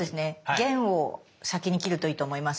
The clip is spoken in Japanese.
弦を先に切るといいと思います。